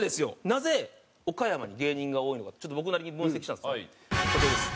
なぜ岡山に芸人が多いのかって僕なりに分析したんですけどこちらです。